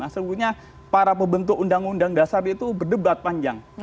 sebetulnya para pembentuk undang undang dasar itu berdebat panjang